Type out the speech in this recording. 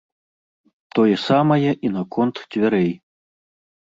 Тое самае і наконт дзвярэй.